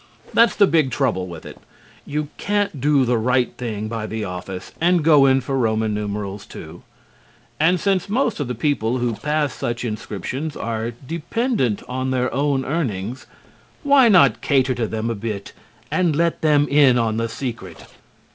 That's the big trouble with it. You can't do the right thing by the office and go in for Roman numerals, too. And since most of the people who pass such inscriptions are dependent on their own earnings, why not cater to them a bit and let them in on the secret?